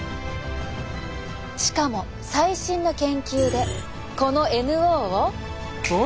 しかも最新の研究でこのＮＯを。